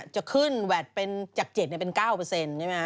จะขึ้นแหวดเป็นจาก๗เป็น๙เปอร์เซ็นต์